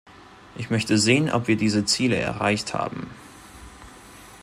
Ich möchte sehen, ob wir diese Ziele erreicht haben.